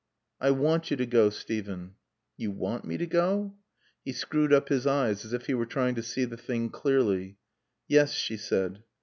"I want you to go, Steven." "You want me to go?" He screwed up his eyes as if he were trying to see the thing clearly. "Yes," she said.